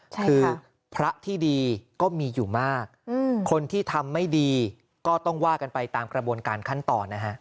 คือพระที่ดีก็มีอยู่มากคนที่ทำไม่ดีก็ต้องว่ากันไปตามกระบวนการขั้นตอนนะฮะ